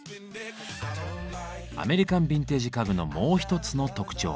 アメリカンビンテージ家具のもう一つの特徴。